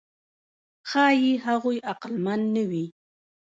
ښایي هغوی عقلمن نه وي.